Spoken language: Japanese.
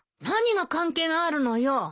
何が関係があるのよ。